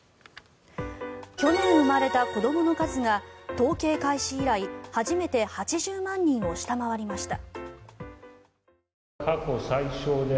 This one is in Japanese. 去年生まれた子どもの数が統計開始以来初めて８０万人を下回りました。